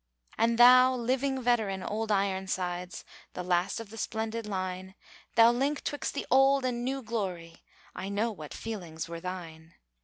And thou, living veteran, Old Ironsides, The last of the splendid line, Thou link 'twixt the old and new glory, I know what feelings were thine!